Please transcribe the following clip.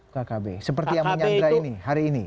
kkb seperti yang menyandra ini hari ini